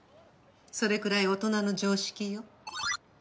それくらい大人の常識よ。